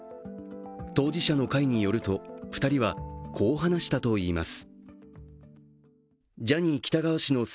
当事者の会によると、２人はこう話したといいます。